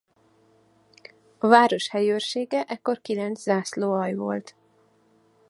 A város helyőrsége ekkor kilenc zászlóalj volt.